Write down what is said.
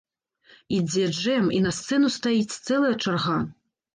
Ідзе джэм, і на сцэну стаіць цэлая чарга!